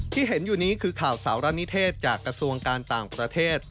ที่เห็นอยู่นี้คือข่าวสารณิเทศจากกระทรวงการต่างประเทศ